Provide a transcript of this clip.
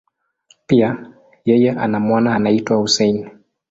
Pia, yeye ana mwana anayeitwa Hussein.